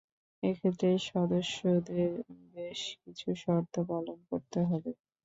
এক্ষেত্রে সদস্যদের বেশকিছু শর্ত পালন করতে হবে।